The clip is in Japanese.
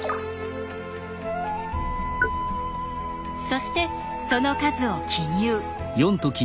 そしてその数を記入。